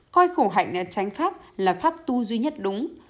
coi khổ hạnh tránh pháp là pháp tu duy nhất đúng